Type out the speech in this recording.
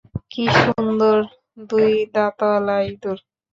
কি সুন্দর দুই দাঁতওয়ালা ইঁদুর।